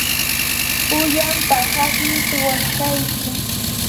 pullan paqasmi suwashayki.